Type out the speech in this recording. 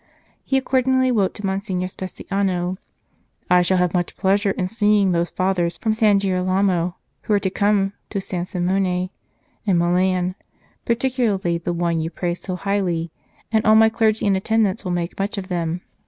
He accordingly wrote to Monsignor Speciano :" I shall have much pleasure in seeing those Fathers from San Girolamo, who are come to San Simone in Milan, particularly the one you praise so highly, and all my clergy and attendants will make much of them.